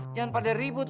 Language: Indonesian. jangan pada ribut